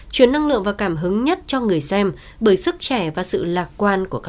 chuyến năng lượng và cảm hứng nhất cho người xem bởi sức trẻ và sự lạc quan của các